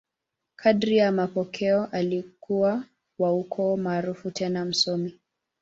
Kadiri ya mapokeo, alikuwa wa ukoo maarufu tena msomi.